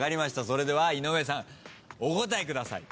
それでは井上さんお答えください。